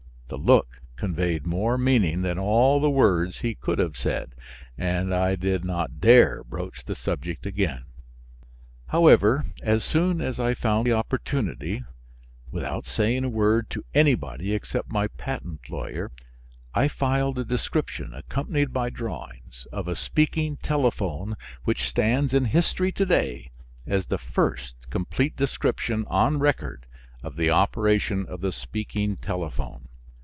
The look conveyed more meaning than all the words he could have said, and I did not dare broach the subject again. However, as soon as I found opportunity, without saying a word to anybody except my patent lawyer, I filed a description, accompanied by drawings, of a speaking telephone which stands in history to day as the first complete description on record of the operation of the speaking telephone.